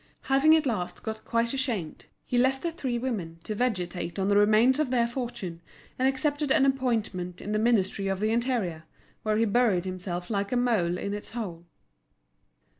Having at last got quite ashamed, he left the three women to vegetate on the remnants of their fortune, and accepted an appointment in the Ministry of the Interior, where he buried himself like a mole in its hole.